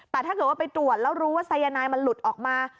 แต่ถ้าเกิดว่าไปตรวจแล้วรู้ว่าสายนายมันหลุดออกมา